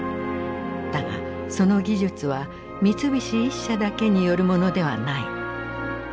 だがその技術は三菱一社だけによるものではない。